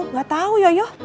nggak tahu yoyoh